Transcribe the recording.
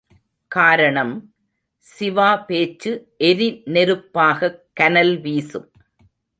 காரணம், சிவா பேச்சு எரி நெருப்பாகக் கனல் வீசும்.